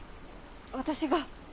私が？